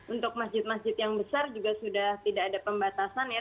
untuk masjid masjid yang besar juga sudah tidak ada pembatasan ya